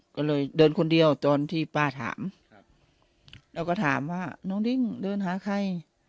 ก็เลยเดินคนเดียวตอนที่ป้าถามครับแล้วก็ถามว่าน้องดิ้งเดินหาใคร